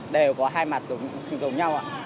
đều có hai mặt giống nhau ạ